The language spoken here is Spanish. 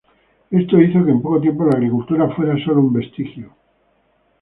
Esto hizo que en poco tiempo la agricultura fuera solo un vestigio.